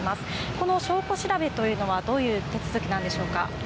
この証拠調べというのはどういう手続きなんでしょうか。